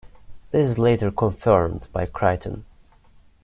This is later confirmed by Kryten.